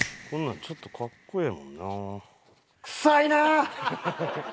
こんなんちょっとかっこええもんな。